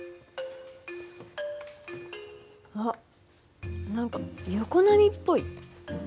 あっ何か横波っぽい。